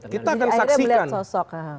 kita akan saksikan